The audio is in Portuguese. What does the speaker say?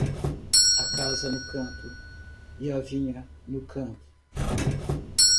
A casa no canto; e a vinha, no canto.